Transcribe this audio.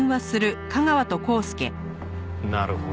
なるほど。